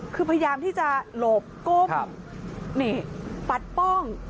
คือพยายามที่จะหลบก้มนี่ปัดป้อง